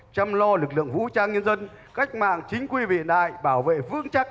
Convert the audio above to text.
chăm lo lực lượng vũ trang nhân dân cách mạng chính quy hiện đại bảo vệ vững chắc